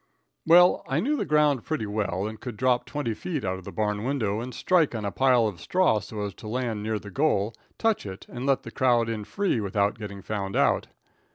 Well, I knew the ground pretty well, and could drop twenty feet out of the barn window and strike on a pile of straw so as to land near the goal, touch it, and let the crowd in free without getting found out.